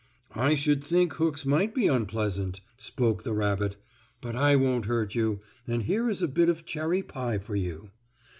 "I should think hooks might be unpleasant," spoke the rabbit. "But I won't hurt you, and here is a bit of cherry pie for you."